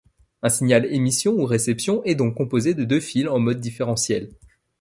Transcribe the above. Un signal émission ou réception est donc composé de deux fils en mode différentiel.